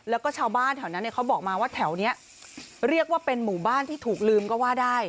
แล้วก็ชาวบ้านแถวนั้นเนี่ยเขาบอกมาว่าแถวนี้เรียกว่าเป็นหมู่บ้านที่ถูกลืมก็ว่าได้